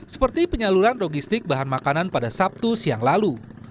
seperti penyaluran logistik bahan makanan pada sabtu siang lalu